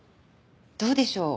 どうでしょう。